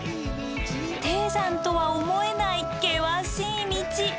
低山とは思えない険しい道。